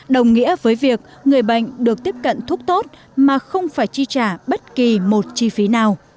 đồng nghĩa với việc người bệnh được tiếp cận thuốc tốt mà không phải chi trả bất kỳ một chi phí nào